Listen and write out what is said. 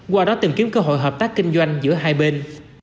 qua đó tìm kiếm cơ hội hợp tác kinh doanh giữa hai bên